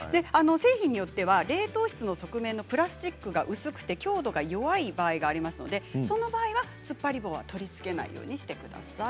製品によっては冷凍室の側面のプラスチックが薄くて強度が弱い場合がありますのでその場合はつっぱり棒は取り付け